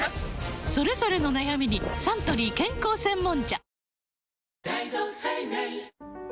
それぞれの悩みにサントリー健康専門茶